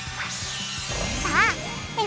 さあ！